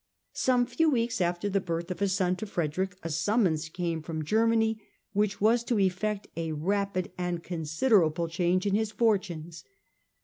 Some few weeks after the birth of a son to Frederick a summons came from Germany which was to effect a rapid and considerable change in his fortunes.